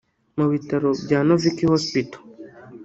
mu bitaro bya Novik Hospital